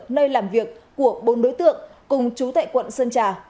nơi làm việc của bốn đối tượng cùng chú tại quận sơn trà